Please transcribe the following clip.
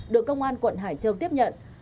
được công an quận hải châu tiếp nhận